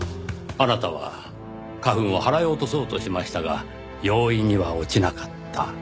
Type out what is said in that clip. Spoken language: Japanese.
あなたは花粉を払い落とそうとしましたが容易には落ちなかった。